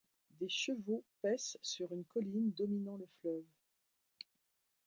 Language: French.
Des chevaux paissent sur une colline dominant le fleuve.